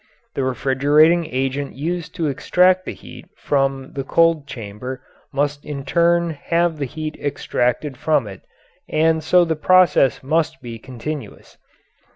The refrigerating agent used to extract the heat from the cold chamber must in turn have the heat extracted from it, and so the process must be continuous.